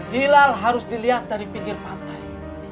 hilal harus dilihat dari pinggir pantai